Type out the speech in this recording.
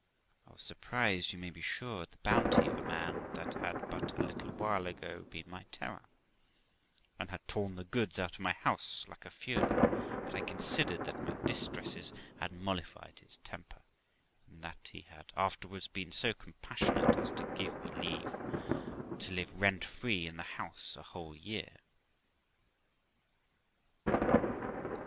I was surprised, you may be sure, at the bounty of a man that had but a little while ago been my terror, and had torn the goods out of my house like a fury ; but I considered that my distresses had mollified his temper, and that he had afterwards been so compassionate as to give me leave to live rent free in the house a whole year.